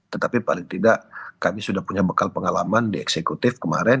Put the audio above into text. tetapi paling tidak kami sudah punya bekal pengalaman di eksekutif kemarin